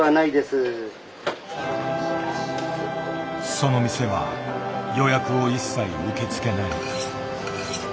☎その店は予約を一切受け付けない。